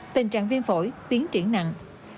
tình trạng viêm phổi tiến triển nặng